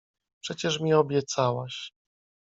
— Przecież mi obiecałaś…